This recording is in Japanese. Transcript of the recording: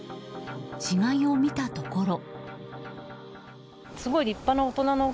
死骸を見たところ。